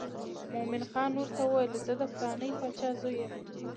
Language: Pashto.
مومن خان ورته وویل زه د پلانې باچا زوی یم.